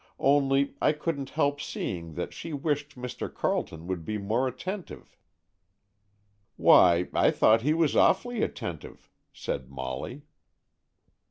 Only, I couldn't help seeing that she wished Mr. Carleton would be more attentive." "Why, I thought he was awfully attentive," said Molly.